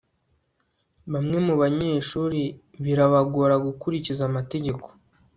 bamwe mubanyeshuri birabagora gukurikiza amategeko